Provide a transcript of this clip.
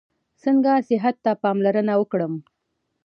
څنګه صحت ته پاملرنه وکړم؟